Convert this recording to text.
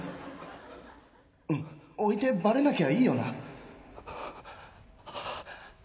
うん置いてバレなきゃいいよな